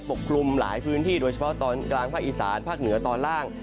กลุ่มหลายพื้นที่โดยเฉพาะตอนกลางภาคอีสานภาคเหนือตอนล่าง